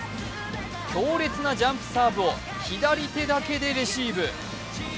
強烈なジャンプサーブを左手だけでレシーブ。